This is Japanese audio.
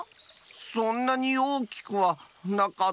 そんなにおおきくはなかった。